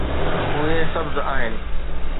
اهي سبز آهن